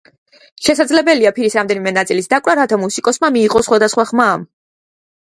შესაძლებელია ფირის რამდენიმე ნაწილის დაკვრა, რათა მუსიკოსმა მიიღოს სხვადასხვა ხმა.